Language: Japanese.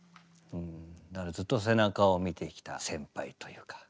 だからずっと背中を見てきた先輩というか。